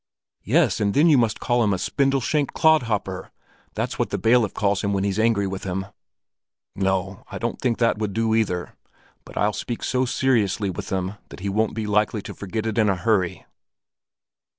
"Yes, and then you must call him a spindle shanked clodhopper. That's what the bailiff calls him when he's angry with him." "No, I don't think that would do either; but I'll speak so seriously with him that he won't be likely to forget it in a hurry."